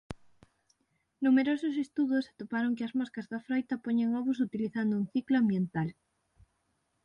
Numerosos estudos atoparon que as moscas da froita poñen ovos utilizando un ciclo ambiental.